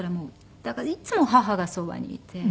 だからいつも母がそばにいて。